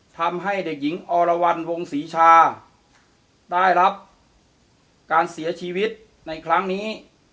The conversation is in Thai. ทำให้เด็กหญิงอรวรรณวงศรีชาได้รับการเสียชีวิตในครั้งนี้